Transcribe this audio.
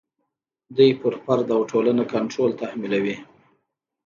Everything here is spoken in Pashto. دوی پر فرد او ټولنه کنټرول تحمیلوي.